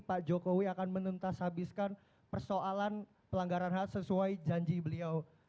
pak jokowi akan menuntas habiskan persoalan pelanggaran hak sesuai janji beliau